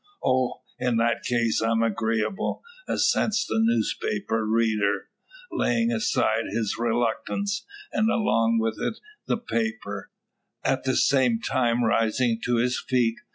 "Oh! in that case I'm agreeable," assents the newspaper reader, laying aside his reluctance, and along with it the paper at the same time rising to his feet.